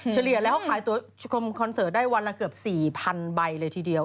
เฉลี่ยแล้วเขาขายตัวชมคอนเสิร์ตได้วันละเกือบ๔๐๐๐ใบเลยทีเดียว